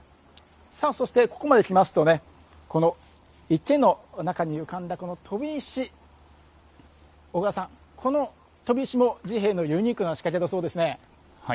さあ、そしてここまで来ますとこの池の中に浮かんだ飛び石小川さん、この飛び石も治兵衛のユニークな仕掛けだそうですね。